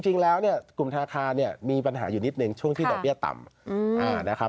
จริงแล้วกลุ่มธนาคารมีปัญหาอยู่นิดหนึ่งช่วงที่ดอกเบี้ยต่ำ